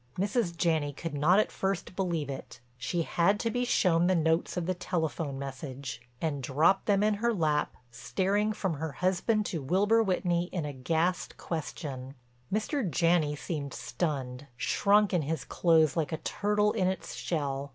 Mrs. Janney could not at first believe it; she had to be shown the notes of the telephone message, and dropped them in her lap, staring from her husband to Wilbur Whitney in aghast question. Mr. Janney seemed stunned, shrunk in his clothes like a turtle in its shell.